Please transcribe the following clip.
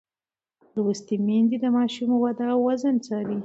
لوستې میندې د ماشوم وده او وزن څاري.